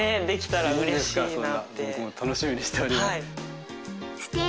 できたら嬉しいなって僕も楽しみにしております